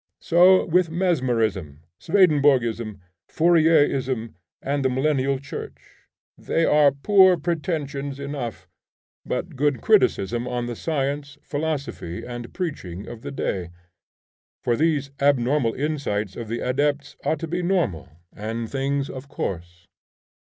So with Mesmerism, Swedenborgism, Fourierism, and the Millennial Church; they are poor pretensions enough, but good criticism on the science, philosophy, and preaching of the day. For these abnormal insights of the adepts ought to be normal, and things of course.